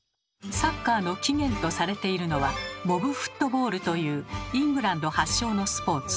サッカーの起源とされているのは「モブフットボール」というイングランド発祥のスポーツ。